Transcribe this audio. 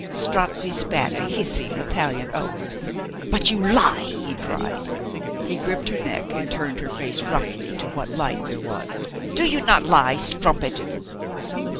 Strozzi spat a hissing Italian oath. "But you lie!" he cried. He gripped her neck and turned her face roughly to what light there was. "Do you not lie, strumpet?"